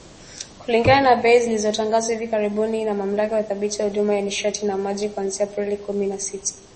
Kulingana na bei zilizotangazwa hivi karibuni na Mamlaka ya Udhibiti wa Huduma za Nishati na Maji kuanzia Aprili kumi na sita